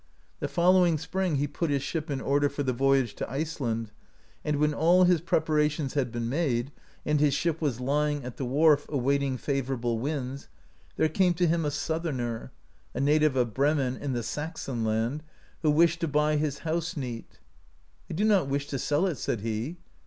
The following spring he put his ship in order for the voyage to Iceland; and when all his preparations had been made, and his ship was lying at the wharf, awaiting favourable winds, there came to him a Southerner, a native of Bremen in the Saxonland, who wished to buy his "house neat." "I do not wish to sell it," said he.